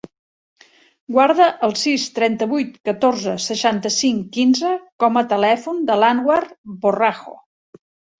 Guarda el sis, trenta-vuit, catorze, seixanta-cinc, quinze com a telèfon de l'Anwar Borrajo.